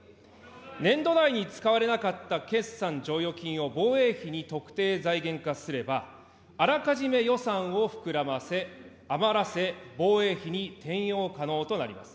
年度内に使われなかった決算剰余金を防衛費に特定財源化すれば、あらかじめ予算を膨らませ、余らせ、防衛費に転用可能となります。